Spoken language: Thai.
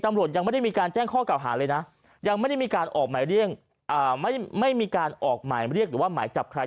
ถามว่าพวกฮีงตำรวจยังไม่ได้มีการแจ้งข้อกราวหาหนึ่งยังไม่มีการออกหมายเรียกหรือจับใคร